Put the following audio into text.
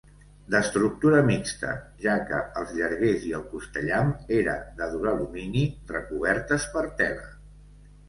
D'estructura mixta, ja que els llarguers i el costellam era de duralumini, recobertes per tela.